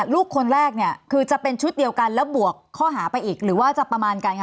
ลูกคนแรกเนี่ยคือจะเป็นชุดเดียวกันแล้วบวกข้อหาไปอีกหรือว่าจะประมาณกันคะ